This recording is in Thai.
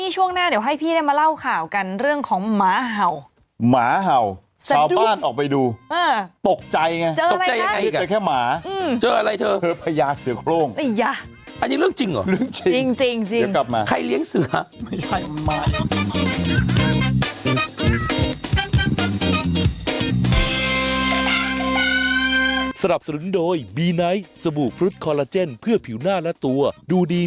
จะไปเมื่อไหร่นี่อยากรู้เลยเนี่ย